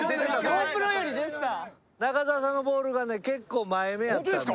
中澤さんのボールがね結構前めやったんで。